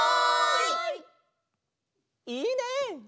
いいねえ！